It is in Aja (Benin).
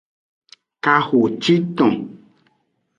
Kahociton.